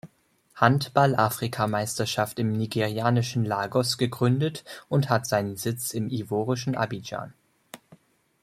Handball-Afrikameisterschaft im nigerianischen Lagos gegründet und hat seinen Sitz im ivorischen Abidjan.